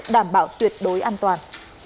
đảm bảo tuyệt đối an toàn